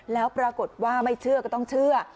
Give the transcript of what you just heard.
แล้วปรากฏว่าไม่เชื่อก็ต้องเชื่อ